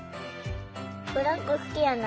ブランコ好きやな。